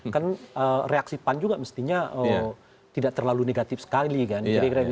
kan reaksi pan juga mestinya tidak terlalu negatif sekali kan